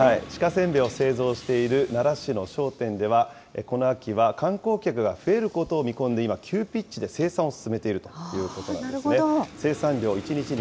せんべいを製造している奈良市の商店では、この秋は観光客が増えることを見込んで、今、急ピッチで生産を進めているということなんですね。